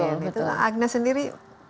betul agnes sendiri